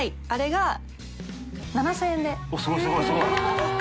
すごいすごい！